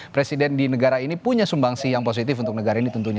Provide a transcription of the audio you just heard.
presiden di negara ini punya sumbangsi yang positif untuk negara ini tentunya